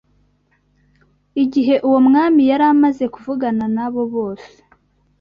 Igihe uwo mwami yari amaze kuvugana na bo bose